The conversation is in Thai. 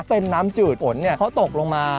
เป็นน้ำจืดฝนเขาตกลงมา